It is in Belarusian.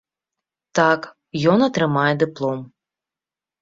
Так, ён атрымае дыплом.